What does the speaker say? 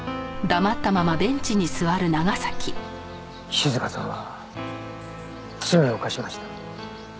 静香さんは罪を犯しました。